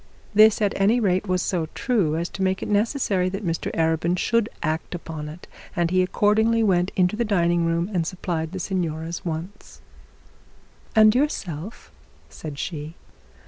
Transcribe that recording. This at any rate was so true as to make it unnecessary that Mr Arabin should not act upon it, and he accordingly went into the dining room and supplied the signora's wants. 'And yourself,' said she.